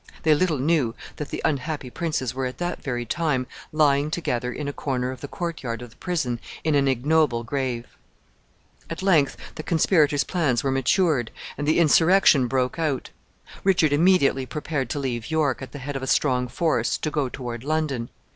They little knew that the unhappy princes were at that very time lying together in a corner of the court yard of the prison in an ignoble grave. At length the conspirators' plans were matured, and the insurrection broke out. Richard immediately prepared to leave York, at the head of a strong force, to go toward London.